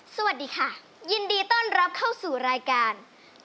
สวัสดีค่ะยินดีต้อนรับเข้าสู่รายการ